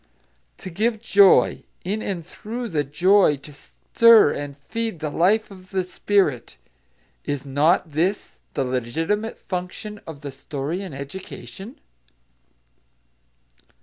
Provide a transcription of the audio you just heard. To give joy; in and through the joy to stir and feed the life of the spirit: is not this the legitimate function of the story in education?